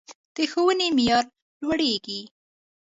د ښوونې معیار لوړیږي